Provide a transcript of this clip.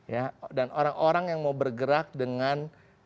ya dan orang orang yang mau bergerak dengan